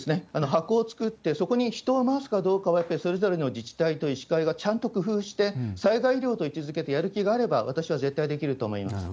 箱を作って、そこに人を回すかどうかは、やっぱりそれぞれの自治体と医師会がちゃんと工夫して、災害医療と位置づけてやる気があれば、私は絶対できると思います。